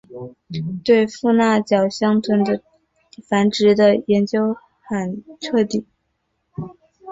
对富纳角箱鲀的繁殖的研究很彻底。